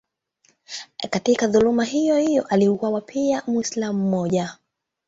Katika dhuluma hiyohiyo aliuawa pia Mwislamu mmoja.